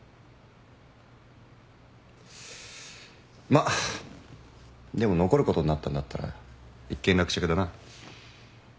まっでも残ることになったんだったら一件落着だな。